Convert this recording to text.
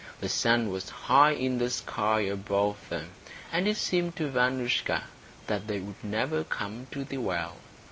The sun was high in the sky above them, and it seemed to Vanoushka that they would never come to the well.